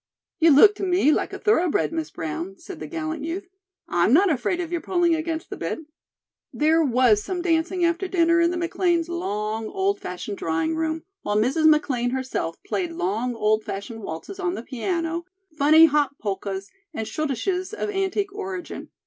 "You look to me like a thoroughbred, Miss Brown," said the gallant youth. "I'm not afraid of your pulling against the bit." There was some dancing after dinner in the McLean's long, old fashioned drawing room, while Mrs. McLean herself played long old fashioned waltzes on the piano, funny hop polkas and schottisches of antique origin.